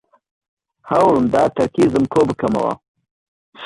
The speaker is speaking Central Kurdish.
هەوڵم دا تەرکیزم کۆبکەمەوە.